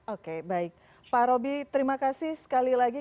oke baik pak roby terima kasih sekali lagi